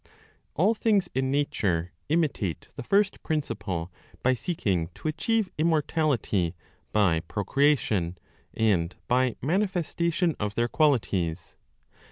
All things in nature imitate the First principle by seeking to achieve immortality by procreation, and by manifestation of their qualities.